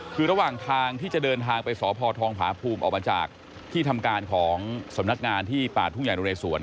คือระหว่างทางที่จะเดินทางไปสพทองผาภูมิออกมาจากที่ทำการของสำนักงานที่ป่าทุ่งใหญ่นเรสวน